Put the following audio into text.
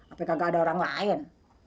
apakah gak ada orang lain